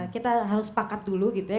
kita harus sepakat dulu gitu ya